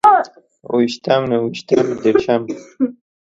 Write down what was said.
اوويشتم، نهويشتم، ديرشم